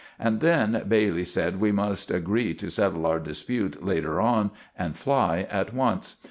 And then Bailey sed we must aggree to settle our dispute later on and fli at once.